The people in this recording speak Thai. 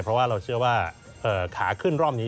เพราะว่าเราเชื่อว่าขาขึ้นรอบนี้